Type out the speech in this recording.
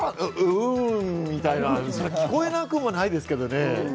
うんみたいに聞こえなくもないですけど。